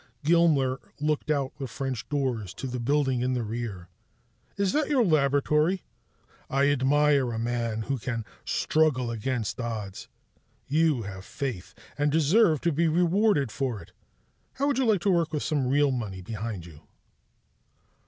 Gilmer looked out the French doors to the building in the rear. "Is that your laboratory? I admire a man who can struggle against odds. You have faith, and deserve to be rewarded for it. How would you like to work with some real money behind you?"